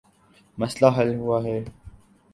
مسئلہ حل ہوا ہے۔